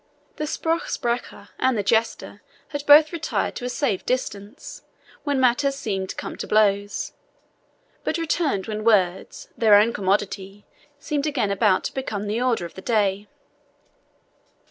The SPRUCH SPRECHER and the jester had both retired to a safe distance when matters seemed coming to blows; but returned when words, their own commodity, seemed again about to become the order of the day.